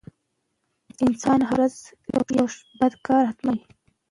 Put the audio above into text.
اقتصاد د شرکتونو کړنې څیړي.